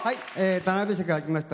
田辺市から来ました